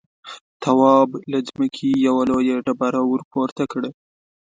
تواب له ځمکې يوه لويه ډبره ورپورته کړه.